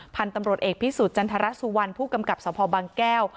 พันธุ์ตำรวจเอกพิสุทธิจันทรสุวรรณผู้กำกับสภบางแก้ว